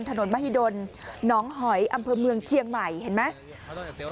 มหิดลหนองหอยอำเภอเมืองเชียงใหม่เห็นไหม